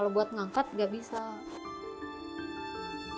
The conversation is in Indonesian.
kalau buat mengangkat tidak bisa